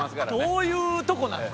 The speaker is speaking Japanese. どういうとこなんやろ？